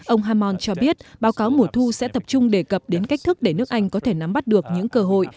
ông hamon cho biết báo cáo mùa thu sẽ tập trung đề cập đến cách thức để nước anh có thể nắm bắt được những cơ hội